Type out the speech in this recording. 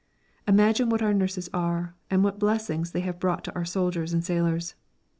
Imagine what our nurses are and what blessings they have brought to our soldiers and sailors.